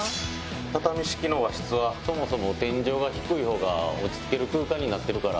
畳敷きの和室はそもそも天井が低いほうが落ち着ける空間になってるから。